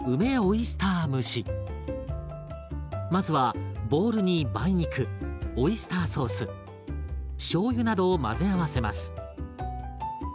まずはボウルに梅肉オイスターソースしょうゆなどを混ぜ合わせます。